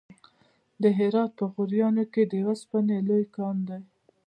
د هرات په غوریان کې د وسپنې لوی کان دی.